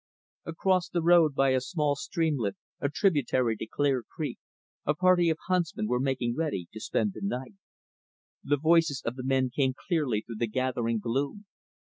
Across the road, by a small streamlet a tributary to Clear Creek a party of huntsmen were making ready to spend the night. The voices of the men came clearly through the gathering gloom.